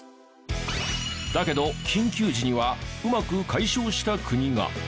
だけど緊急時にはうまく解消した国が！